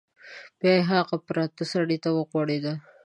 بیا یې هغه پراته سړي ته وغوریده.